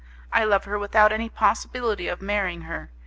I love her without any possibility of marrying her.